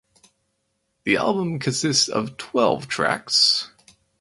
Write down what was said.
The album consists of twelve tracks.